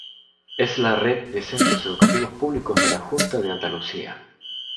Es la red de centros educativos públicos de la Junta de Andalucía.